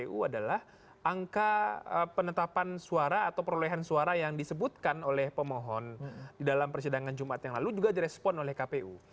kpu adalah angka penetapan suara atau perolehan suara yang disebutkan oleh pemohon di dalam persidangan jumat yang lalu juga direspon oleh kpu